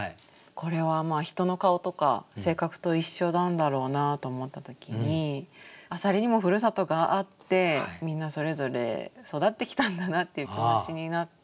これはまあ人の顔とか性格と一緒なんだろうなと思った時にあさりにもふるさとがあってみんなそれぞれ育ってきたんだなっていう気持ちになって。